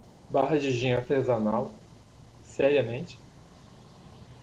Barra de gin artesanal? seriamente?!